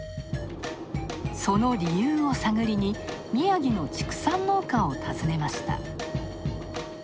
その理由を探りに宮城の畜産農家を訪ねました。